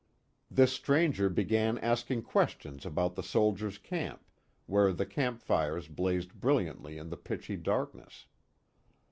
This stranger began asking questions about the soldiers' camp, where the camp fires blazed brilliantly in the pitchy darkness.